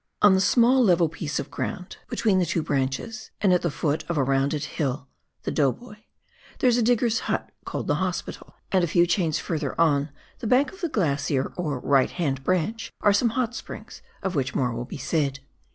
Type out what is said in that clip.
On the small level piece of ground between the two £ 50 PIONEER WORK IN THE ALPS OF NEW ZEALAND. brandies, and at tlie foot of a rounded hill (The Dough Boy), there is a digger's hut called the Hospital, and a few chains further on the bank of the glacier or "right hand" branch, are some hot springs, of which more will be said.